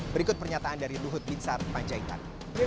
berikut pernyataan dari luhut bin sarpa jaitan